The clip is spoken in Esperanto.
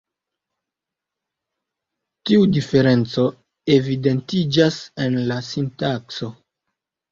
Tiu diferenco evidentiĝas en la sintakso.